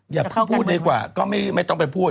อย่าพูดด้วยกว่าก็ไม่ต้องไปพูด